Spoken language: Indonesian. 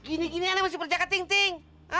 ini gini anak masih berjaga ting ting